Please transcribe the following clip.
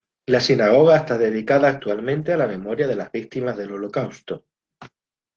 La sinagoga está dedicada actualmente a la memoria de las víctimas del Holocausto.